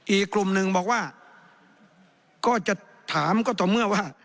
อีกกลุ่มหนึ่งบอกว่าก็จะถามก็ต่อเมื่อว่า